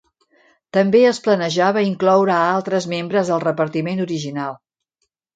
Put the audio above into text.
També es planejava incloure a altres membres del repartiment original.